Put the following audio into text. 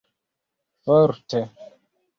forte